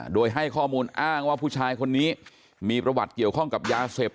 โดยให้ข้อมูลอ้างว่าผู้ชายคนนี้มีประวัติเกี่ยวข้องกับยาเสพ